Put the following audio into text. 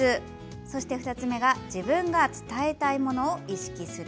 そして２つ目が自分が伝えたいものを意識する。